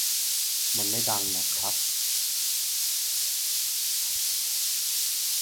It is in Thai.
มันไม่ดังน่ะครับ